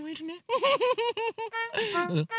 ウフフフフ。